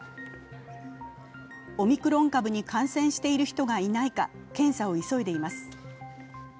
オミクロン株に感染している人がいないか検査を急いでいます。